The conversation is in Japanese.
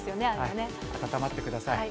暖まってください。